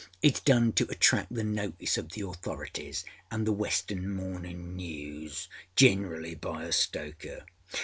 Itâs done to attract the notice of the authorities anâ the _Western Morninâ News_âgenerally by a stoker.